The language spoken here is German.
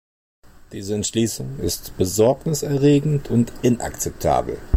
Diese Entschließung ist Besorgnis erregend und inakzeptabel.